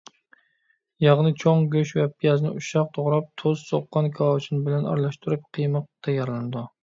ياغنى چوڭ، گۆش ۋە پىيازنى ئۇششاق توغراپ، تۇز، سوققان كاۋاۋىچىن بىلەن ئارىلاشتۇرۇپ قىيما تەييارلىنىدۇ.